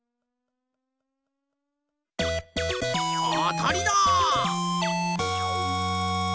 あたりだ！